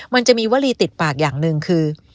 มันจะมีวลีติดปากอย่างหนึ่งคือ